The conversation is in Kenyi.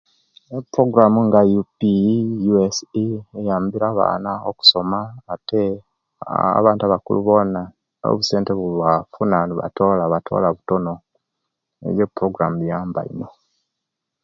Eprogramu nga UPE, USE eyambite abaana okusoma ate abantu abakulu bona obusente obubafuna nibatola batola butono ejo program kiyamba ino